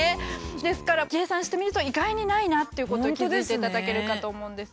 ですから計算してみると意外にないなっていうことに気付いていただけるかと思うんです。